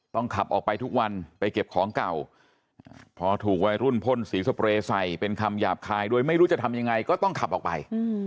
ขับออกไปทุกวันไปเก็บของเก่าพอถูกวัยรุ่นพ่นสีสเปรย์ใส่เป็นคำหยาบคายโดยไม่รู้จะทำยังไงก็ต้องขับออกไป